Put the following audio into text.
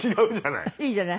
いいじゃない。